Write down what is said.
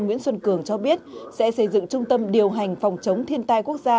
nguyễn xuân cường cho biết sẽ xây dựng trung tâm điều hành phòng chống thiên tai quốc gia